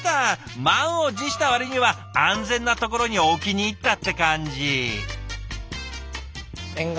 満を持した割には安全なところに置きにいったって感じ。